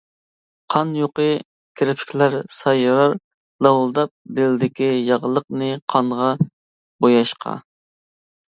قان يۇقى كىرپىكلەر سايرار لاۋۇلداپ دىلدىكى ياغلىقنى قانغا بوياشقا.